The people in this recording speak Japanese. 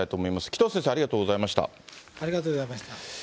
紀藤先生、ありがとうございましありがとうございました。